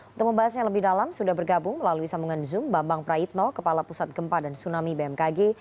untuk membahasnya lebih dalam sudah bergabung melalui sambungan zoom bambang praitno kepala pusat gempa dan tsunami bmkg